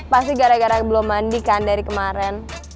pasti gara gara belum mandi kan dari kemarin